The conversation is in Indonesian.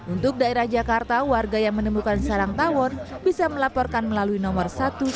untuk daerah jakarta warga yang menemukan sarang tawon bisa melaporkan melalui nomor satu ratus dua belas